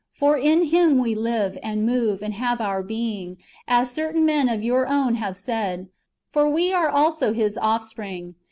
For in Him we live, and move, and have our being, as certain men of your own have said, For we are also His offspring.